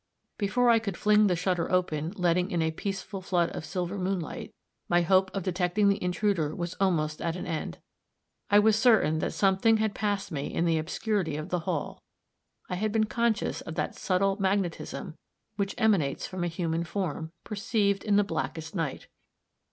Before I could fling the shutter open, letting in a peaceful flood of silver moonlight, my hope of detecting the intruder was almost at an end. I was certain that something had passed me in the obscurity of the hall; I had been conscious of that subtle magnetism which emanates from a human form, perceived in the blackest night.